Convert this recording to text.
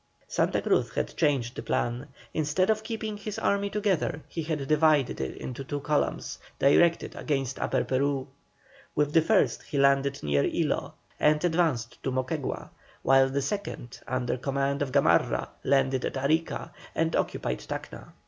Santa Cruz had changed the plan. Instead of keeping his army together he had divided it into two columns, directed against Upper Peru. With the first he landed near Ilo, and advanced to Moquegua, while the second, under command of Gamarra, landed at Arica, and occupied Tacna.